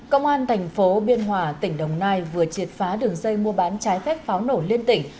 công an thành phố biên hòa tỉnh đồng nai vừa triệt phá đường dây mua bán trái phép pháo nổ liên tỉnh